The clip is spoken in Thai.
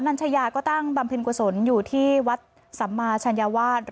มันชีวิตเขามันไม่มีค่าอะไรแล้วอีก